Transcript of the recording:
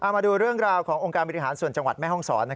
มาดูเรื่องราวขององค์การบริหารส่วนจังหวัดแม่ห้องศร